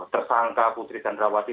tersangka putri sandra wati